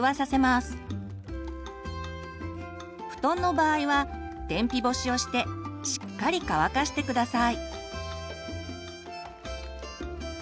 布団の場合は天日干しをしてしっかり乾かして下さい。